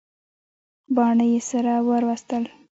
باڼه یې سره ور وستل.